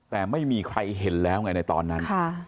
แต่ไม่มีใครเห็นแล้วไงในตอนนั้น